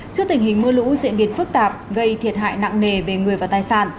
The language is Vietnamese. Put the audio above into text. trước tình hình mưa lũ diễn biến phức tạp gây thiệt hại nặng nề về người và tài sản